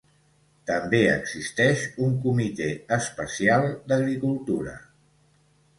També existeix un Comitè especial d'agricultura.